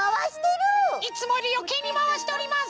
いつもよりよけいにまわしております。